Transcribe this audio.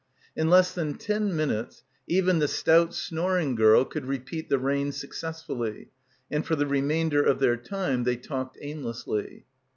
In less than ten minutes even the stout snoring girl could repeat the reign successfully, and for the remainder of their time they talked aimlessly.